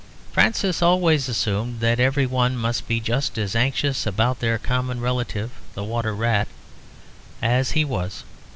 Francis always assumed that everyone must be just as anxious about their common relative, the water rat, as he was.